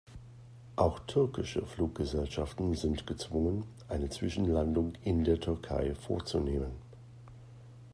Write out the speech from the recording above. Auch türkische Fluggesellschaften sind gezwungen, eine Zwischenlandung in der Türkei vorzunehmen.